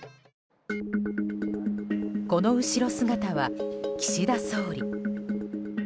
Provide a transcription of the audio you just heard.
この後ろ姿は、岸田総理。